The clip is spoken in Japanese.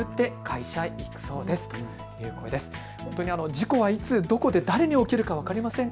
事故はいつどこで誰に起きるか分かりません